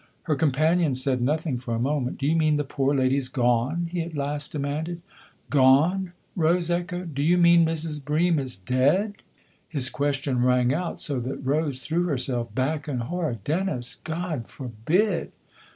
Her companion said nothing for a moment. " Do you mean the poor lady's gone ?" he at last demanded. " Gone ?" Rose echoed. " Do you mean Mrs. Bream is dead ?" His question rang out so that Rose threw herself back in horror. " Dennis God forbid